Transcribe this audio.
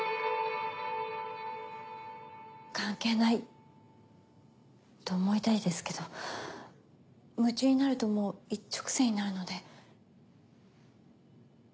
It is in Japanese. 関係ないと思いたいですけど夢中になるともう一直線になるので。